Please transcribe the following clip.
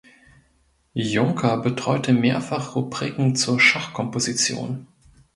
Junker betreute mehrfach Rubriken zur Schachkomposition.